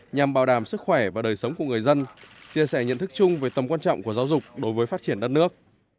nhằm bảo đảm sức khỏe và đời sống của người dân chia sẻ nhận thức chung về tầm quan trọng của giáo dục đối với phát triển đất nước